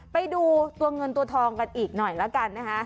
ไปดูตัวเงินตัวทองกันอีกหน่อยแล้วกันนะคะ